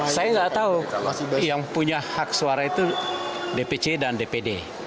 saya nggak tahu yang punya hak suara itu dpc dan dpd